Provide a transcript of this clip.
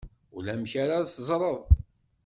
Ulamek ara teẓred.